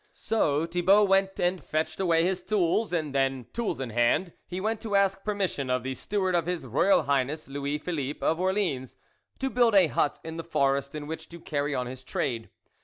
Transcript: So Thibault went and fetched away his tools; and then, tools in hand, he went to ask permission of the Steward of his Royal Highness Louis Philippe of Orleans, to build a hut in the forest, in which to carry on his trade.